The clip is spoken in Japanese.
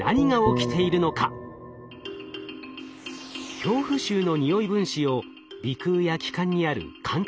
恐怖臭のにおい分子を鼻腔や気管にある感覚